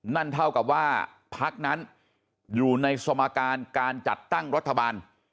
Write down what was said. นั่นเท่ากับว่าพักนั้นอยู่ในสมการการจัดตั้งรัฐบาล